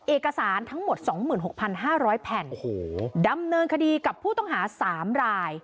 เอกสารทั้งหมดสองหมื่นหกพันห้าร้อยแผ่นโอ้โหดำเนินคดีกับผู้ต้องหาสามราย